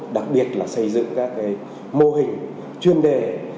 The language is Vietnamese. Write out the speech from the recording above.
đặc biệt là xây dựng các mô hình chuyên đề